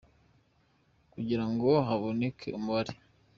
kugira ngo haboneke umubare